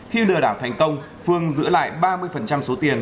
khi lừa đảo thành công phương giữ lại ba mươi số tiền